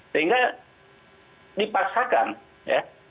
sehingga dipaksakan dipakalkan